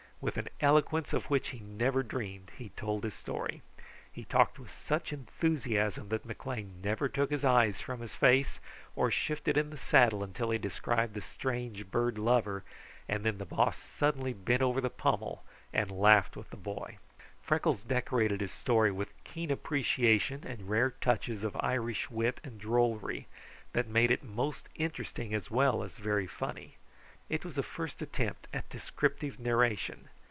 With an eloquence of which he never dreamed he told his story. He talked with such enthusiasm that McLean never took his eyes from his face or shifted in the saddle until he described the strange bird lover, and then the Boss suddenly bent over the pommel and laughed with the boy. Freckles decorated his story with keen appreciation and rare touches of Irish wit and drollery that made it most interesting as well as very funny. It was a first attempt at descriptive narration.